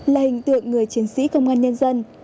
là hình tượng người chiến sĩ công an nhân dân